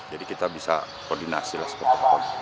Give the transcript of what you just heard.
jadi kita bisa koordinasi lah seperti apa